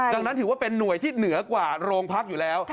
ดังนั้นถือว่าเป็นหน่วยที่เหนือกว่าโรงพักอยู่แล้ว